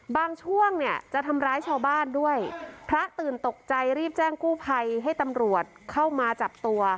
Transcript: ช่วงเนี่ยจะทำร้ายชาวบ้านด้วยพระตื่นตกใจรีบแจ้งกู้ภัยให้ตำรวจเข้ามาจับตัว